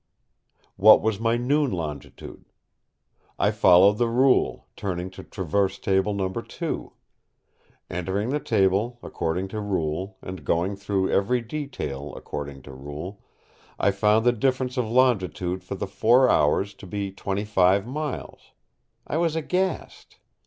What was my noon longitude? I followed the rule, turning to Traverse Table No. II. Entering the table, according to rule, and going through every detail, according to rule, I found the difference of longitude for the four hours to be 25 miles. I was aghast.